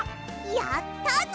やったぞ！